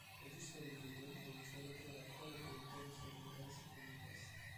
Regista del video è il celebre rapper e produttore statunitense Kanye West.